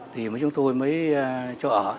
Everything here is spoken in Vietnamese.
thì chúng tôi mới cho ở